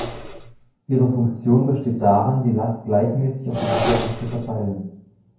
Ihre Funktion besteht darin, die Last gleichmäßig auf dem Untergrund zu verteilen.